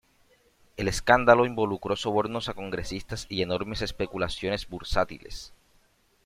El escándalo involucró sobornos a congresistas y enormes especulaciones bursátiles.